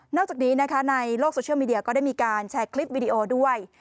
จากนี้นะคะในโลกโซเชียลมีเดียก็ได้มีการแชร์คลิปวิดีโอด้วย